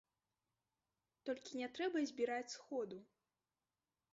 Толькі не трэба збіраць сходу.